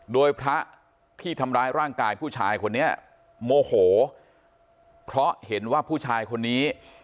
โดยพระที่ทำร้ายร่างกายผู้ชายคนนี้โมโหเพราะเห็นว่าผู้ชายคนนี้